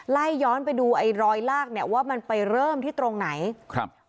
ไล่ย้อนไปดูไอ้รอยลากเนี่ยว่ามันไปเริ่มที่ตรงไหนครับ